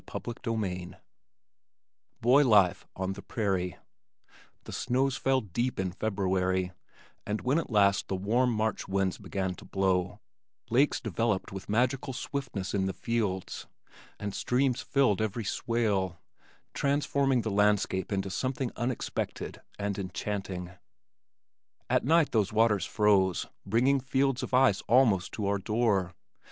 CHAPTER XIII Boy Life on the Prairie The snows fell deep in February and when at last the warm March winds began to blow, lakes developed with magical swiftness in the fields, and streams filled every swale, transforming the landscape into something unexpected and enchanting. At night these waters froze, bringing fields of ice almost to our door.